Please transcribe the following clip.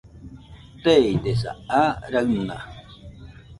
Teidesa, aa raɨna